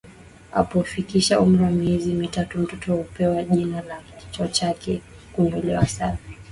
Anapofikisha umri wa miezi mitatu mtoto hupewa jina na kichwa chake hunyolewa safi